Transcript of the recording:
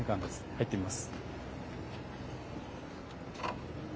入ってみます。